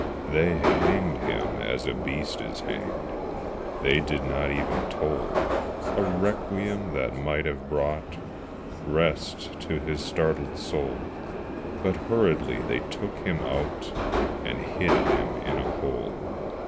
They hanged him as a beast is hanged: They did not even toll A requiem that might have brought Rest to his startled soul, But hurriedly they took him out, And hid him in a hole.